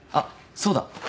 そうだ。